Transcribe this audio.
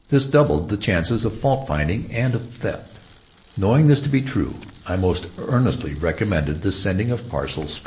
This doubled the chances of fault finding and of theft. Knowing this to be true, I most earnestly recommend the sending of parcels.